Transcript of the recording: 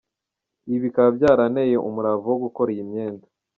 Ibi bikaba byaranteye umurava wo gukora iyi myenda.